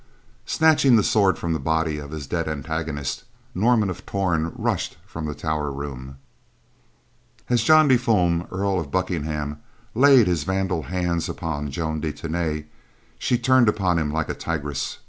Snatching the sword from the body of his dead antagonist, Norman of Torn rushed from the tower room. As John de Fulm, Earl of Buckingham, laid his vandal hands upon Joan de Tany, she turned upon him like a tigress.